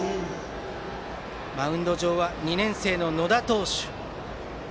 マウンド上は２年生の野田投手。